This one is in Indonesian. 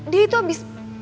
dia itu habis